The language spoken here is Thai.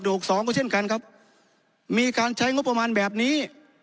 กสองก็เช่นกันครับมีการใช้งบประมาณแบบนี้